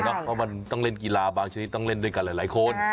เพราะมันต้องเล่นกีฬาบางชนิดต้องเล่นด้วยกันหลายคน